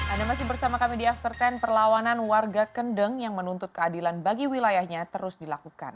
anda masih bersama kami di after sepuluh perlawanan warga kendeng yang menuntut keadilan bagi wilayahnya terus dilakukan